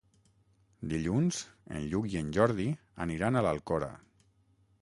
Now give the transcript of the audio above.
Dilluns en Lluc i en Jordi aniran a l'Alcora.